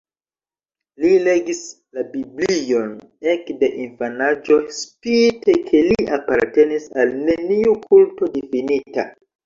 Li legis la Biblion ekde infanaĝo spite ke li apartenis al neniu kulto difinita.